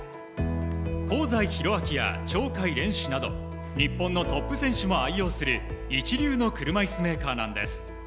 香西宏昭や鳥海連志など日本のトップ選手も愛用する一流の車いすメーカーなんです。